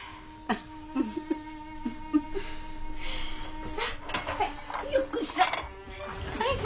あっ。